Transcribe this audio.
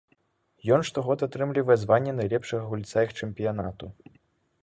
Ён штогод атрымлівае званне найлепшага гульца іх чэмпіянату.